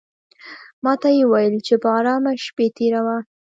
ماته یې وویل چې په آرامه شپې تېروه.